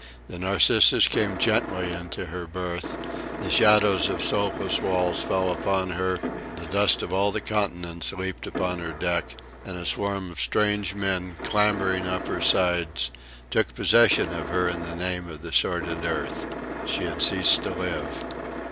The Narcissus came gently into her berth; the shadows of soulless walls fell upon her, the dust of all the continents leaped upon her deck, and a swarm of strange men, clambering up her sides, took possession of her in the name of the sordid earth. She had ceased to live.